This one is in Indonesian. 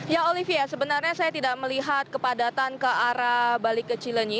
ya olivia sebenarnya saya tidak melihat kepadatan ke arah balik ke cilenyi